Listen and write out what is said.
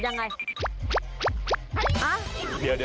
ยังไงฮะ